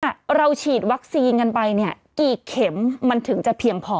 ถ้าเราฉีดวัคซีนกันไปเนี่ยกี่เข็มมันถึงจะเพียงพอ